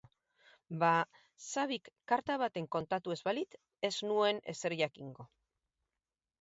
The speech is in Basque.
Ba, Xabik karta baten kontatu ez balit ez nun ezer jakingo.